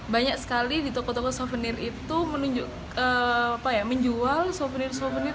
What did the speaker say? banyak sekali di toko toko souvenir itu menunjukkan apa ya menjual souvenir souvenir